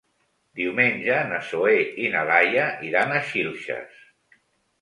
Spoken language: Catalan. Diumenge na Zoè i na Laia iran a Xilxes.